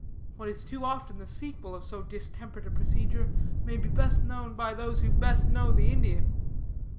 What is too often the sequel of so distempered a procedure may be best known by those who best know the Indian.